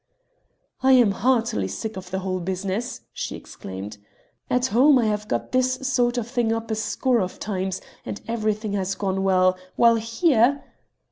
"I am heartily sick of the whole business," she exclaimed. "At home I have got this sort of thing up a score of times, and everything has gone well ... while here...."